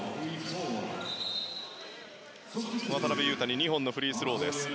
渡邊雄太に２本のフリースローです。